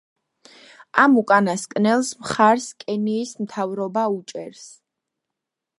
ამ უკანასკნელს მხარს კენიის მთავრობა უჭერს.